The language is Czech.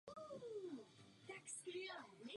Desetkrát vedl reprezentaci jako kapitán.